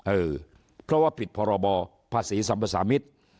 เออเพราะว่าผิดพรบภาษีสัมภาษามิตร